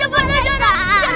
gak bersih cepet zara